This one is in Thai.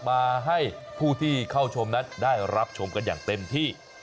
มาให้ผู้ที่เข้าชมนั้นได้รับชมกันอย่างเต็มที่